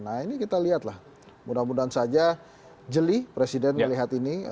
nah ini kita lihatlah mudah mudahan saja jeli presiden melihat ini